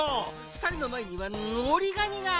ふたりのまえにはおりがみが！